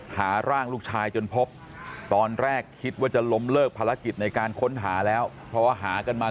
หาร่างลูกชายจนพบตอนแรกคิดว่าจะล้มเลิกภารกิจในการค้นหาแล้วเพราะว่าหากันมา